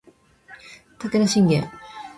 武田信玄